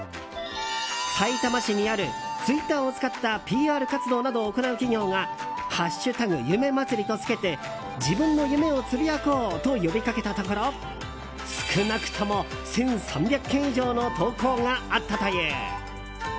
さいたま市にあるツイッターを使ったＰＲ活動などを行う企業が「＃夢祭り」とつけて自分の夢をつぶやこうと呼びかけたところ少なくとも１３００件以上の投稿があったという。